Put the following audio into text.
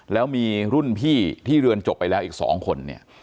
แล้วมีรุ่นพี่ที่เรียนจบไปแล้วอีก๒คนเนี่ย